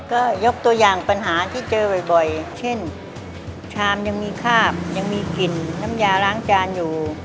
ก็ยกตัวอย่างปัญหาที่เจอบ่อยเช่นชามยังมีคาบยังมีกลิ่นน้ำยาล้างจานอยู่